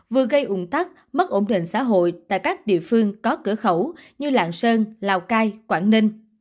vừa gây ủng tắc mất ổn định xã hội tại các địa phương có cửa khẩu như lạng sơn lào cai quảng ninh